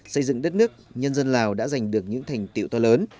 xây dựng đất nước nhân dân lào đã giành được những thành tiệu to lớn